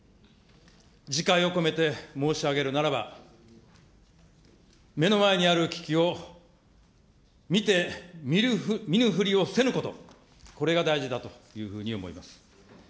自戒を込めて申し上げるならば、目の前にある危機を見て見ぬふりをせぬこと、これが大事だというふうに思います。